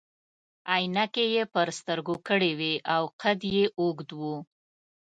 عینکې يې پر سترګو کړي وي او قد يې اوږد وو.